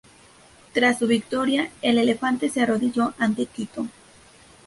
Tras su victoria, el elefante se arrodilló ante Tito.